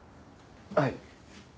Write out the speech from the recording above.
はい。